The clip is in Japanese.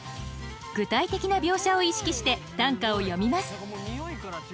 具体的な描写を意識して短歌を詠みます